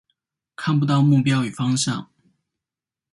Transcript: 看不到目标与方向